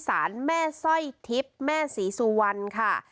สารแม่สร้อยทิพย์แม่ศรีสุวรรณค่ะ